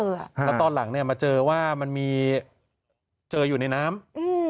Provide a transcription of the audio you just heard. แล้วตอนหลังเนี่ยมาเจอว่ามันมีเจออยู่ในน้ำอืม